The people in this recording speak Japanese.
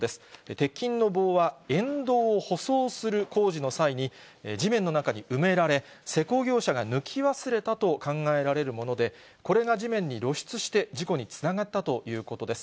鉄筋の棒は、園道を舗装する工事の際に、地面の中に埋められ、施工業者が抜き忘れたと考えられるもので、これが地面に露出して、事故につながったということです。